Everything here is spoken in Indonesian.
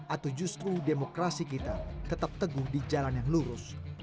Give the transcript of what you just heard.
atau justru demokrasi kita tetap teguh di jalan yang lurus